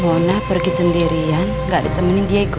mona pergi sendirian enggak ditemani diego